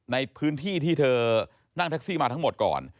ในพื้นที่ที่เธอนั่งแท็กซี่มาทั้งหมดก่อน